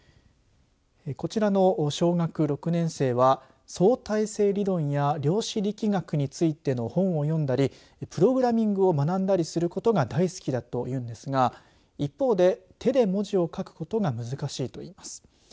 こちらの小学６年生は相対性理論や量子力学についての本を読んだりプログラミングを学んだりすることが大好きだというのですが一方で手で文字を書くことが難しいといいます。